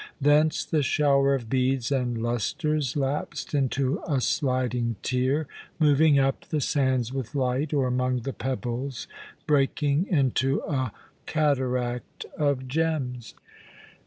Thence the shower of beads and lustres lapsed into a sliding tier, moving up the sands with light, or among the pebbles breaking into a cataract of gems.